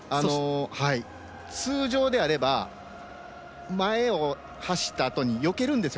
通常であれば前を走ったあとによけるんですよ